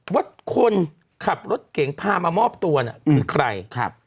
ว่าคนขับรถเก่งพามามอบตัวน่ะคือใครครับ